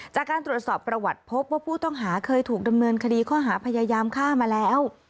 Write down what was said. จากการตรวจสอบประวัติพบว่าผู้ต้องหาเคยถูกดำเนินคดีข้อหาพยายามฆ่ามาแล้ว